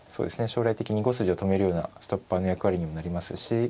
将来的に５筋を止めるようなストッパーの役割にもなりますしま